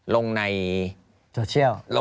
ลงในโซเชียล